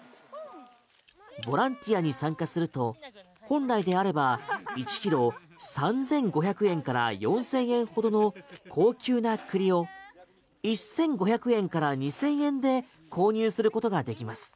ボランティアに参加すると本来であれば１ｋｇ３５００円から４０００円ほどの高級な栗を１５００円から２０００円で購入することができます。